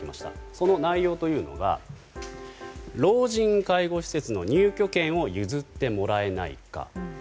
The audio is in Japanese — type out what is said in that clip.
その内容が老人介護施設の入居権を譲ってもらえないか。